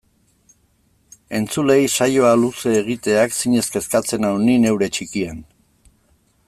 Entzuleei saioa luze egiteak zinez kezkatzen nau ni, neure txikian.